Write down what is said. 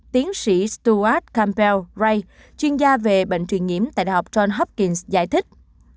tiến sĩ stuart campbell ray chuyên gia về bệnh truyền nhiễm tại đại học john hopkins giải thích